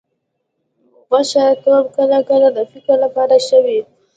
ګوښه توب کله کله د فکر لپاره ښه وي.